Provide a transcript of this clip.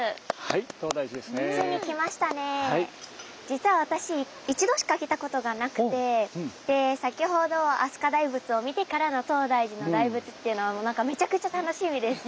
実は私一度しか来たことがなくて先ほど飛鳥大仏を見てからの東大寺の大仏っていうのは何かめちゃくちゃ楽しみです。